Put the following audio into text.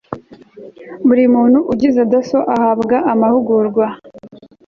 buri muntu ugize dasso ahabwa amahugurwa